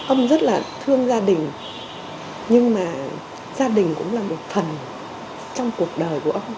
ông rất là thương gia đình nhưng mà gia đình cũng là một thần trong cuộc đời của ông